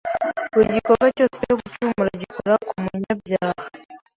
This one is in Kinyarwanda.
Buri gikorwa cyose cyo gucumura gikora ku munyabyaha,